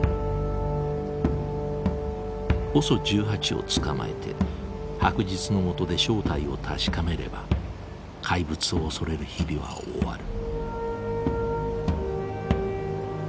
ＯＳＯ１８を捕まえて白日のもとで正体を確かめれば怪物を恐れる日々は終わる。